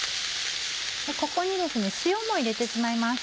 ここに塩も入れてしまいます。